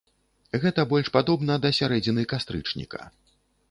Гэта больш падобна да сярэдзіны кастрычніка.